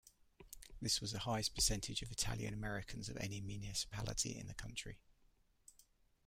This was the highest percentage of Italian Americans of any municipality in the country.